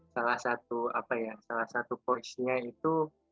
salah satu apa ya salah satu poinnya itu